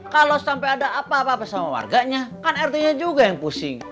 kalau sampai ada apa apa sama warganya kan rt nya juga yang pusing